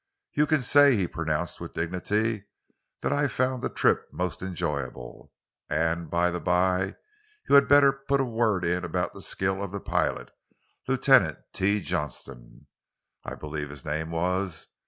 "You can say," he pronounced with dignity, "that I found the trip most enjoyable. And by the by, you had better put a word in about the skill of the pilot Lieutenant T. Johnson, I believe his name was.